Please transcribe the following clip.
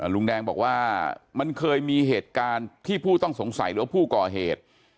ลุงแดงบอกว่ามันเคยมีเหตุการณ์ที่ผู้ต้องสงสัยหรือว่าผู้ก่อเหตุ